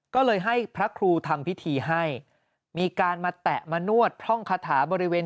ก็เลยให้พระครูทำพิธีให้มีการมาแตะมานวดพร่องคาถาบริเวณ